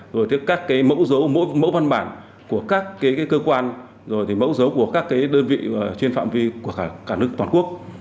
rồi các mẫu dấu mẫu văn bản của các cơ quan mẫu dấu của các đơn vị trên phạm vi của cả nước toàn quốc